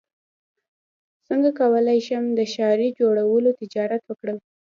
څنګه کولی شم د ښارۍ جوړولو تجارت وکړم